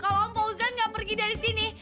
kalau om fauzan gak pergi dari sini